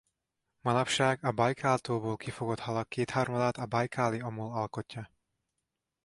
Manapság a Bajkál-tóból kifogott halak kétharmadát a bajkáli omul alkotja.